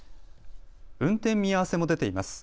運転見合わせも出ています。